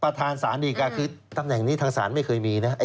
สารดีการคือตำแหน่งนี้ทางศาลไม่เคยมีนะ